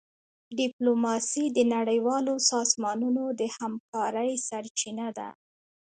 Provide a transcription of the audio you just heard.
ډيپلوماسي د نړیوالو سازمانونو د همکارۍ سرچینه ده.